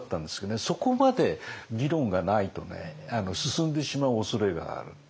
そこまで議論がないと進んでしまうおそれがある。